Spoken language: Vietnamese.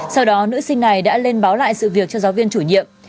sau đó nữ sinh này đã lên báo lại sự việc cho giáo viên chủ nhiệm